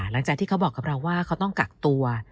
หลังจากที่เขาบอกกับเราว่าเขาต้องกักตัว